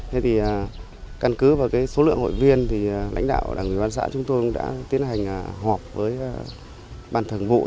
thế thì căn cứ vào số lượng hội viên lãnh đạo đảng quỳ văn xã chúng tôi cũng đã tiến hành họp với bàn thường vụ